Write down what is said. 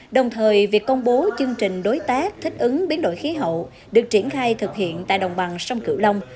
đồng thời việc công bố chương trình đối tác thích ứng biến đổi khí hậu được triển khai thực hiện tại đồng bằng sông cửu long